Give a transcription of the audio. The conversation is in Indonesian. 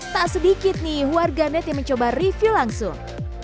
tak sedikit nih warganet yang mencoba review langsung